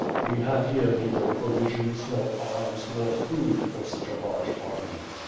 We have here neither provisions, nor arms, nor food, for such a large army.